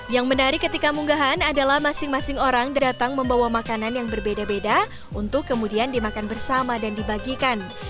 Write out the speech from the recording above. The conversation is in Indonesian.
yang menarik ketika munggahan adalah masing masing orang datang membawa makanan yang berbeda beda untuk kemudian dimakan bersama dan dibagikan